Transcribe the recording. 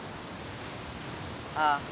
ああ。